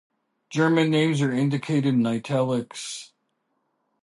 German names are indicated in "italics".